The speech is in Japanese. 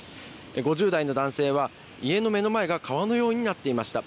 ５０代の男性は、家の目の前が川のようになっていました。